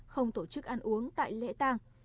không tổ chức ăn uống tại lễ tàng